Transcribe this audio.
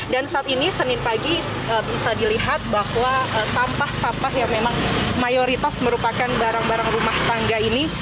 dan saat ini senin pagi bisa dilihat bahwa sampah sampah yang memang mayoritas merupakan barang barang rumah tangga ini